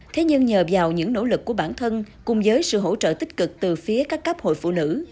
thế nhưng nhờ vào những nỗ lực của bản thân cùng với sự hỗ trợ tích cực từ phía các cấp hội phụ nữ